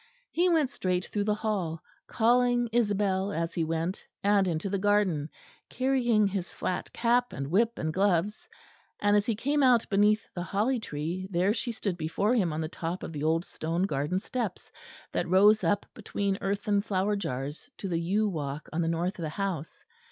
He went straight through the hall, calling Isabel as he went, and into the garden, carrying his flat cap and whip and gloves: and as he came out beneath the holly tree, there she stood before him on the top of the old stone garden steps, that rose up between earthen flower jars to the yew walk on the north of the house.